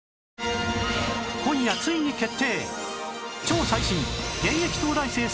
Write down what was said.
今夜ついに決定！